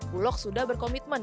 bulok sudah berkomitmen